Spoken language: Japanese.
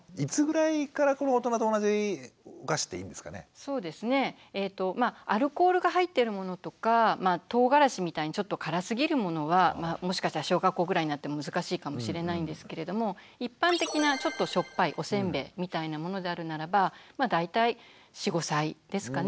そうですねアルコールが入ってるものとかとうがらしみたいにちょっと辛すぎるものはもしかしたら小学校ぐらいになっても難しいかもしれないんですけれども一般的なちょっとしょっぱいおせんべいみたいなものであるならば大体４５歳ですかね